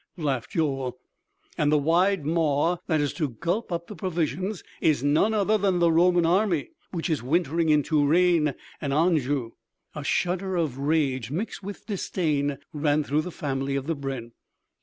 laughed Joel. "And the wide maw that is to gulp up the provisions is none other than the Roman army, which is wintering in Touraine and Anjou." A shudder of rage mixed with disdain ran through the family of the brenn.